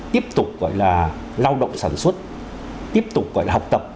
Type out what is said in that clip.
tiếp tục gọi là lao động sản xuất tiếp tục gọi là học tập